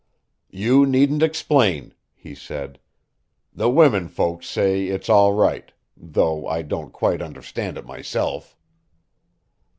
"You needn't explain," he said. "The women folks say it's all right, though I don't quite understand it myself."